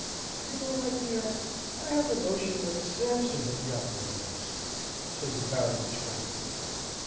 "Do you know, my dear, I have a notion that Sampson has got the letters?" said the Baroness, frankly.